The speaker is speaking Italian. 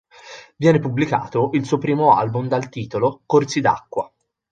Viene pubblicato il suo primo album dal titolo "Corsi d'acqua".